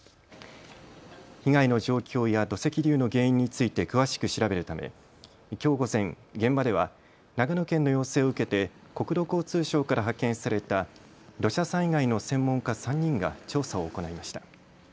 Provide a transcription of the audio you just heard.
被害の状況や土石流の原因について詳しく調べるためきょう午前、現場では長野県の要請を受けて国土交通省から派遣された土砂災害の専門家３人が調査を行いました。